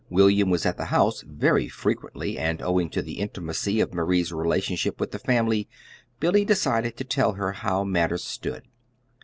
William was at the house very frequently, and owing to the intimacy of Marie's relationship with the family Billy decided to tell her how matters stood.